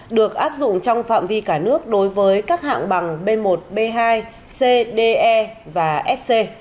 được áp dụng trong phạm vi cả nước đối với các hạng bằng b một b hai cd e và fc